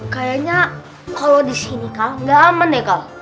kayaknya kalau disini kak nggak aman ya kak